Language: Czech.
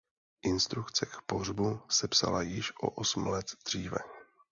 Instrukce k pohřbu sepsala již o osm let dříve.